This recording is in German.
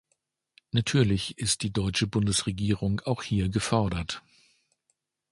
Natürlich ist die deutsche Bundesregierung hier auch gefordert.